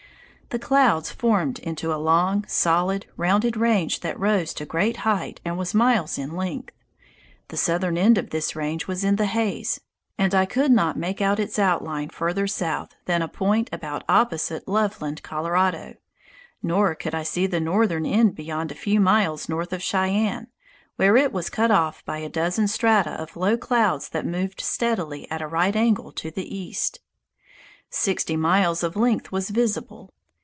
The clouds formed into a long, solid, rounded range that rose to great height and was miles in length. The southern end of this range was in the haze, and I could not make out its outline further south than a point about opposite Loveland, Colorado, nor could I see the northern end beyond a few miles north of Cheyenne, where it was cut off by a dozen strata of low clouds that moved steadily at a right angle to the east. Sixty miles of length was visible.